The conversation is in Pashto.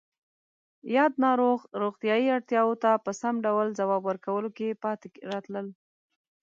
یاد ناروغ روغتیایی اړتیاوو ته په سم ډول ځواب ورکولو کې پاتې راتلل